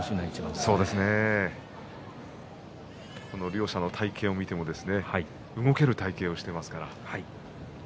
両者の体形を見ても動ける体形をしていますから。